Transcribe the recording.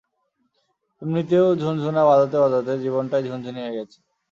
এমনিতেও ঝুনঝুনা বাজাতে বাজাতে, জীবনটাই ঝুনঝুনি হয়ে গেছে।